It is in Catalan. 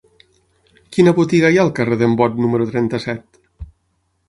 Quina botiga hi ha al carrer d'en Bot número trenta-set?